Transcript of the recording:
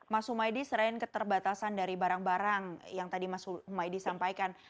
mas humaydi selain keterbatasan dari barang barang yang tadi mas humaydi sampaikan